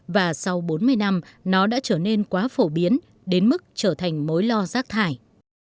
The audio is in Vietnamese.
và sau bốn mươi năm nó đã trở nên quá phổ biến đến mức trở thành mối lo rác thải